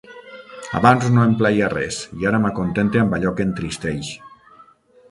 Abans no em plaïa res, i ara m'acontente amb allò que entristeix.